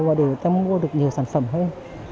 và để người ta mua được nhiều sản phẩm hơn